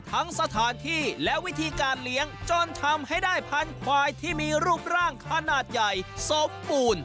สถานที่และวิธีการเลี้ยงจนทำให้ได้พันธุ์ควายที่มีรูปร่างขนาดใหญ่สมบูรณ์